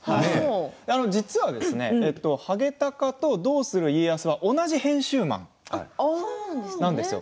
実は「ハゲタカ」と「どうする家康」は同じ編集マンなんですよ。